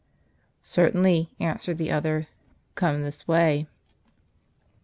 " "Certainly," answered the other; "come this way."